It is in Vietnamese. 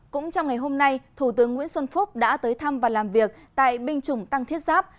cũng trong ngày hôm nay thủ tướng nguyễn xuân phúc đã tới thăm và làm việc tại binh chủng tăng thiết giáp